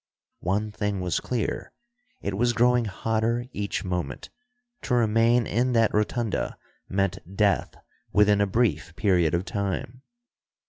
One thing was clear: It was growing hotter each moment. To remain in that rotunda meant death within a brief period of time.